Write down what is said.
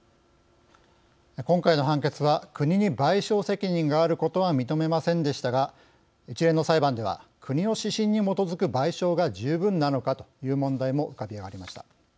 今回の判決は国に賠償責任があることは認めませんでしたが一連の裁判では国の指針に基づく賠償が十分なのかという問題も浮かび上がりました。